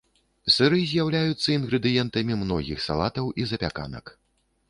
Сыры з'яўляюцца інгрэдыентамі многіх салатаў і запяканак.